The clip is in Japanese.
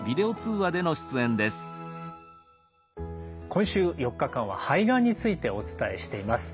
今週４日間は肺がんについてお伝えしています。